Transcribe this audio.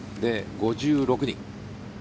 ５６人。